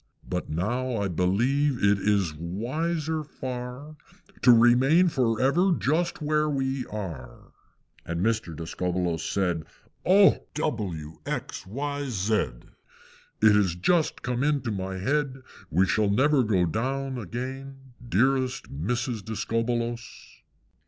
But now I believe it is wiser far To remain for ever just where we are." And Mr. Discobbolos said, "Oh! W! X! Y! Z! It has just come into my head We shall never go down again, Dearest Mrs. Discobbolos!"